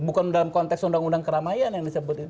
bukan dalam konteks undang undang keramaian yang disebut